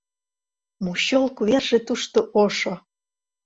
Мочол куэрже тушто ошо!